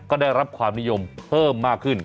ก็ได้รับความนิยมเพิ่มมากขึ้น